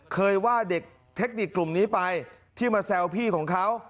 เคยว่าเด็กเทคนิคกลุ่มนี้ไปที่มาแซวพี่ของเขา